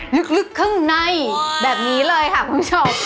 ลึกข้างในแบบนี้เลยค่ะคุณผู้ชม